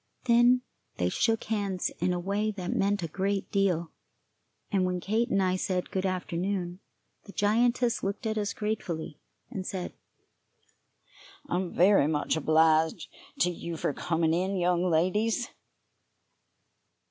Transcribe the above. Then they shook hands in a way that meant a great deal, and when Kate and I said good afternoon, the giantess looked at us gratefully, and said: "I'm very much obliged to you for coming in, young ladies."